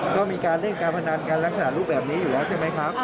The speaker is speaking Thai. ก็มีการเล่นการพนันกันลักษณะรูปแบบนี้อยู่แล้วใช่ไหมครับ